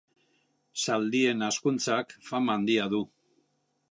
Zaldien hazkuntzak fama handia du.